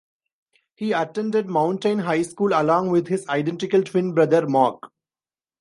He attended Mountain High School along with his identical twin brother Mark.